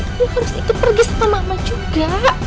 aku harus ikut pergi sama mama juga